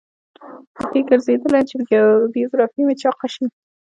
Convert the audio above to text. په کې ګرځیدلی یم چې بیوګرافي مې چاقه شي.